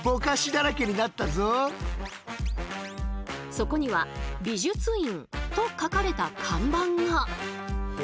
そこには「美術院」と書かれた看板が。